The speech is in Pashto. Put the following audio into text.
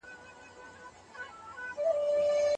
ماشوم له چاپېريال زده کړه اخيستله او تعليم زياتېده.